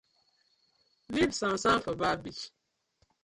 Leave sand sand for bar beach.